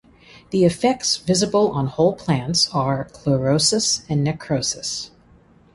The effects visible on whole plants are chlorosis and necrosis.